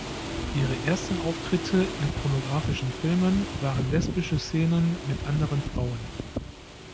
Ihre ersten Auftritte in pornografischen Filmen waren lesbische Szenen mit anderen Frauen.